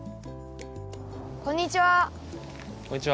こんにちは。